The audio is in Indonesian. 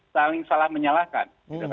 saling salah menyalahkan